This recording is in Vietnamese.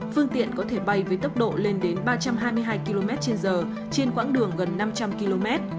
phương tiện có thể bay với tốc độ lên đến ba trăm hai mươi hai km trên giờ trên quãng đường gần năm trăm linh km